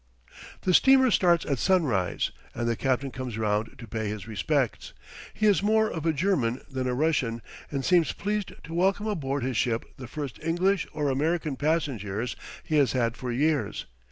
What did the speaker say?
The steamer starts at sunrise, and the captain comes round to pay his respects. He is more of a German than a Russian, and seems pleased to welcome aboard his ship the first English or American passengers he has had for years.